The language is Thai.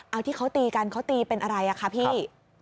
เอาที่เขาตีกันเขาตีเป็นอะไรอ่ะคะพี่